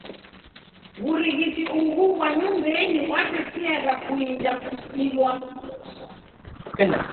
W'urighiti ughu ghwa nyumbenyi ghwatesiagha kuinja kusilwa.